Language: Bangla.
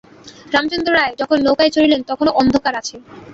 রামচন্দ্র রায় যখন নৌকায় চড়িলেন তখনো অন্ধকার আছে।